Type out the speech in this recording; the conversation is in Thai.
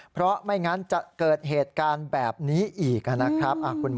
เพราะไม่งั้นจะเกิดเหตุการณ์แบบนี้อีกนะครับ